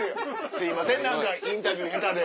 すいません何かインタビュー下手で。